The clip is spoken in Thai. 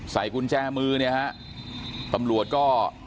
กุญแจมือเนี่ยฮะตำรวจก็